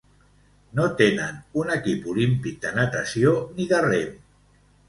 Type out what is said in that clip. No tenen un equip olímpic de natació ni de rem.